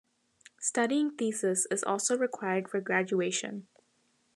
Studying thesis is also required for graduation.